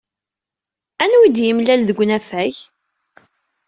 Anwa ay d-yemlal deg unafag?